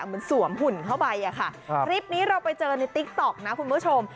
เหมือนสวมหุ่นเข้าไปอะค่ะคลิปนี้เราไปเจอในติ๊กต๊อกนะคุณผู้ชม